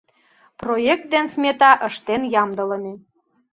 Проект ден смета ыштен ямдылыме.